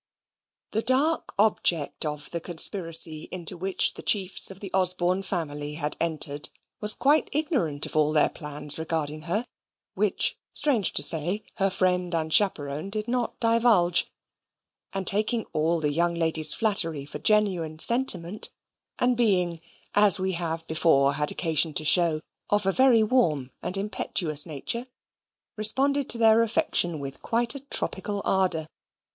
The dark object of the conspiracy into which the chiefs of the Osborne family had entered, was quite ignorant of all their plans regarding her (which, strange to say, her friend and chaperon did not divulge), and, taking all the young ladies' flattery for genuine sentiment, and being, as we have before had occasion to show, of a very warm and impetuous nature, responded to their affection with quite a tropical ardour.